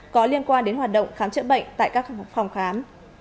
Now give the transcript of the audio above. có liên quan đến hoạt động khám chữa bệnh tại các phòng khám